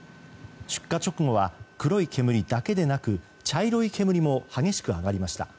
出火直後は黒い煙だけでなく茶色い煙も激しく上がりました。